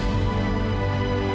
aku ingin tahu kamu